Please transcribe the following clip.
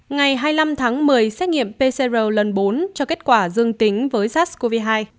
ngày hai mươi năm tháng một mươi xét nghiệm pcr lần bốn cho kết quả dương tính với sars cov hai